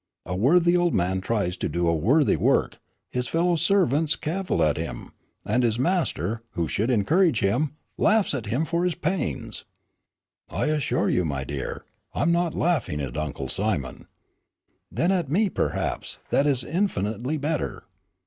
A worthy old man tries to do a worthy work, his fellow servants cavil at him, and his master, who should encourage him, laughs at him for his pains." "I assure you, my dear, I'm not laughing at Uncle Simon." "Then at me, perhaps; that is infinitely better."